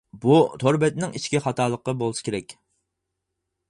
بۇ تور بەتنىڭ ئىچكى خاتالىقى بولسا كېرەك.